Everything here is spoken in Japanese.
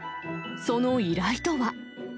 その依頼とは。